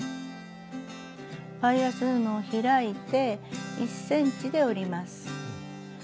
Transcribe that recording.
バイアス布を開いて１ｃｍで折ります。